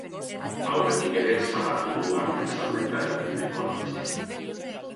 Aurretik ere salatu du armen salmenta erakunde ekologistak.